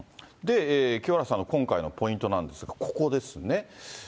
清原さんの今回のポイントなんですが、ここですね。